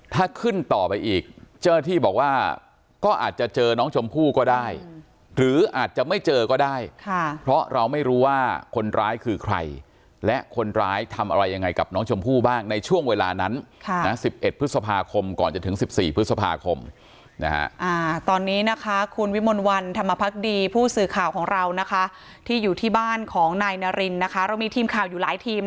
ถ้าขึ้นต่อไปอีกเจ้าหน้าที่บอกว่าก็อาจจะเจอน้องชมพู่ก็ได้หรืออาจจะไม่เจอก็ได้ค่ะเพราะเราไม่รู้ว่าคนร้ายคือใครและคนร้ายทำอะไรยังไงกับน้องชมพู่บ้างในช่วงเวลานั้นค่ะนะสิบเอ็ดพฤษภาคมก่อนจะถึงสิบสี่พฤษภาคมนะฮะอ่าตอนนี้นะคะคุณวิมนต์วันธรรมพักดีผู้สื่อข่าวของเรานะคะที่อยู่